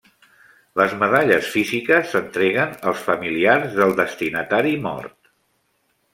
Les medalles físiques s'entreguen als familiars del destinatari mort.